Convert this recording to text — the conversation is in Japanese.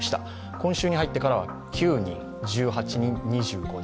今週入ってからは９、１８、２５人。